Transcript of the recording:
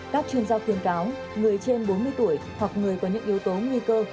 các chuyên gia khuyên cáo người trên bốn mươi tuổi hoặc người có những yếu tố nguy cơ